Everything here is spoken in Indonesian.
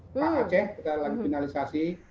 pak aceh kita lagi finalisasi